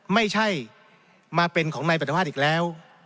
ไม่ใช่มาเป็นของนายปรัฐภาษณ์อีกแล้ว